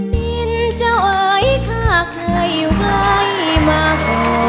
ดินเจ้าเอ้ยข้าเคยไว้มาขอ